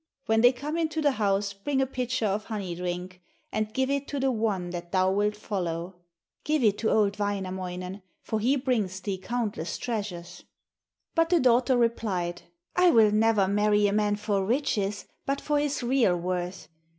When they come into the house bring a pitcher of honey drink, and give it to the one that thou wilt follow. Give it to old Wainamoinen, for he brings thee countless treasures.' But the daughter replied: 'I will never marry a man for riches, but for his real worth.